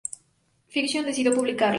Fiction" decidió publicarla.